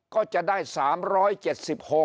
ก็จะได้๓๐๐จุด